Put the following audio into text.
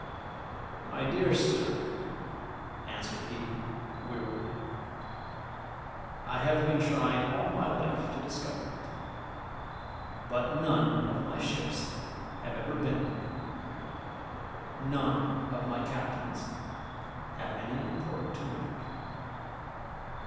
"My dear sir," answered he, wearily, "I have been trying all my life to discover it; but none of my ships have ever been there none of my captains have any report to make.